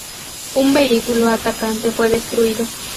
Un vehículo atacante fue destruido.